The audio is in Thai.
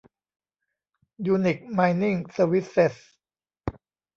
ยูนิค ไมนิ่ง เซอร์วิสเซส